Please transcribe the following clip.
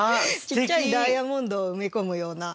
ちっちゃいダイヤモンドを埋め込むような。